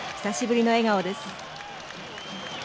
久しぶりの笑顔です。